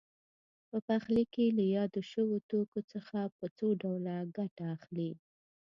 په پخلي کې له یادو شویو توکو څخه په څو ډوله ګټه اخلي.